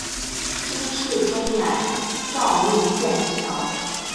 金世宗乃诏命建桥。